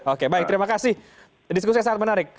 oke baik terima kasih diskusnya sangat menarik